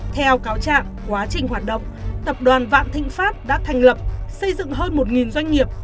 theo cáo trạng quá trình hoạt động tập đoàn vạn thịnh pháp đã thành lập xây dựng hơn một doanh nghiệp